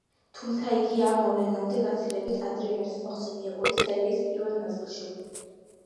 თუმცა იგი ამ მოვლენებამდე გაცილებით ადრე არის მოხსენიებული სერიის პირველ ნაწილში.